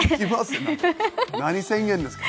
何宣言ですか？